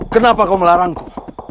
kenapa kau melarangku